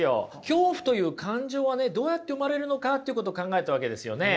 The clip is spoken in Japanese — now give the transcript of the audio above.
恐怖という感情はどうやって生まれるのかということを考えたわけですよね。